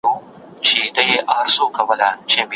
د کور د اوبو لوښي پوښلي وساتئ.